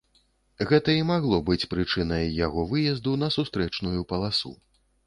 Гэта і магло быць прычынай яго выезду на сустрэчную паласу.